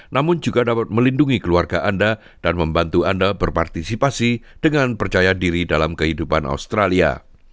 namun juga dapat melindungi keluarga anda dan membantu anda berpartisipasi dengan percaya diri dalam kehidupan australia